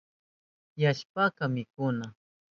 Tiyashpanka mikuma